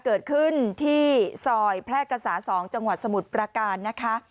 เกิดขึ้นที่ซอยแพร่กษา๒จังหวัดสมุทรประการนะคะ